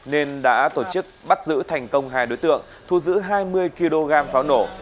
nên đã tổ chức bắt giữ thành công hai đối tượng thu giữ hai mươi kg pháo nổ